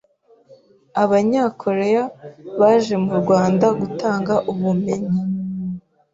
Abanya-Korea baje mu Rwanda gutanga ubumenyi